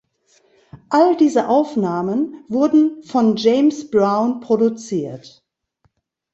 All diese Aufnahmen wurden von James Brown produziert.